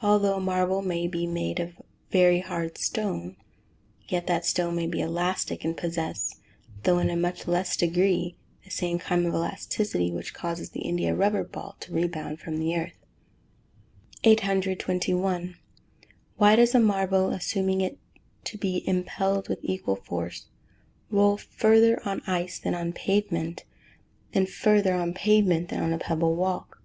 Although a marble may be made of very hard stone, yet that stone may be elastic, and possess, though in a much less degree, the same kind of elasticity which causes the India rubber ball to rebound from the earth. 821. _Why does a marble, assuming it to be impelled with equal force, roll further on ice than on pavement, and further on pavement than on a pebble walk?